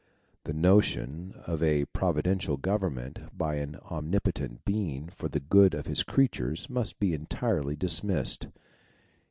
The notion of a providential government by an omnipotent Being for the good of his creatures must be entirely dismissed.